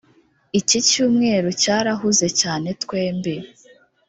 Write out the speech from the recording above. iki cyumweru cyarahuze cyane twembi